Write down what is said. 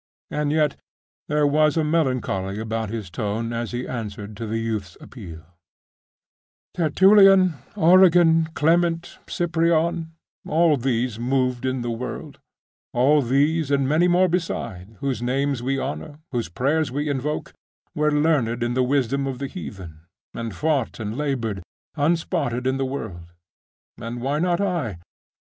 And yet there was a melancholy about his tone as he answered to the youth's appeal 'Tertullian, Origen, Clement, Cyprian all these moved in the world; all these and many more beside, whose names we honour, whose prayers we invoke, were learned in the wisdom of the heathen, and fought and laboured, unspotted, in the world; and why not I?